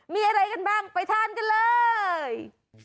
มีอะไรกันบ้างไปทานกันเลย